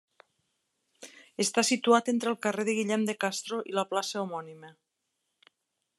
Està situat entre el carrer de Guillem de Castro i la plaça homònima.